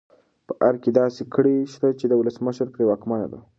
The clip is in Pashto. په ارګ کې داسې کړۍ شته چې د ولسمشر پرې واکمنه ده.